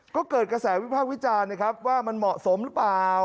ก็เกิดกระแสวิภาพวิจารณ์ว่ามันเหมาะสมหรือเปล่า